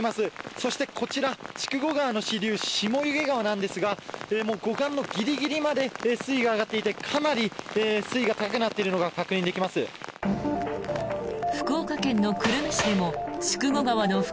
そして、こちら、筑後川の支流下弓削川なんですがもう護岸のギリギリまで水位が上がっていてかなり水位が高くなっているのが確認できます。